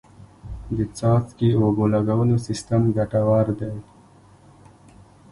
د څاڅکي اوبو لګولو سیستم ګټور دی.